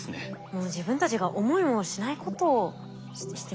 もう自分たちが思いもしないことをしてますね。